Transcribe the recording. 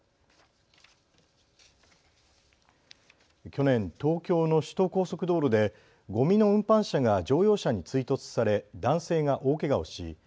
去年、東京の首都高速道路でごみの運搬車が乗用車に追突され男性が大けがをし